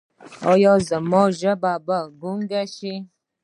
ایا زما ژبه به ګونګۍ شي؟